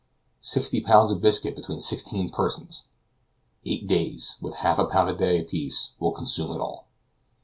Sixty pounds of biscuit between sixteen persons! Eight days, with half a pound a day apiece, will consume it all.